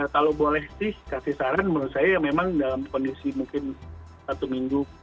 kalau boleh sih kasih saran menurut saya memang dalam kondisi mungkin satu minggu